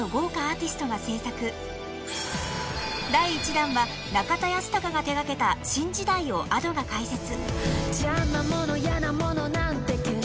［第１弾は中田ヤスタカが手掛けた『新時代』をＡｄｏが解説］